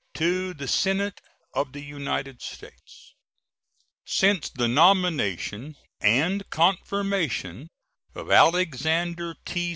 To the Senate of the United States: Since the nomination and confirmation of Alexander T.